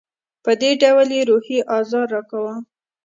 په دې ډول یې روحي آزار راکاوه.